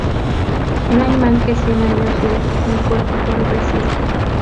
No hay mal que cien años dure, ni cuerpo que lo resista